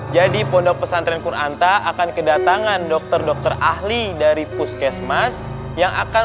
jadi pondok pesantren kur'an tak akan kedatangan dokter dokter ahli dari puskesmas yang akan